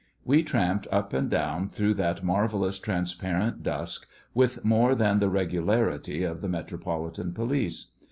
We tramped up and down through that marvellous transparent dusk, with more than the regularity of the Metropolitan Police.